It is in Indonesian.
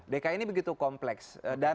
dki ini begitu kompleks